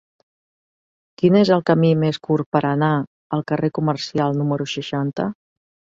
Quin és el camí més curt per anar al carrer Comercial número seixanta?